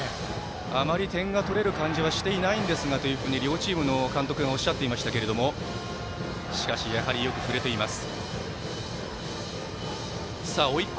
あまり点が取れる感じはしていないんですがと両チームの監督がおっしゃっていましたがしかし、やはりよく振れています。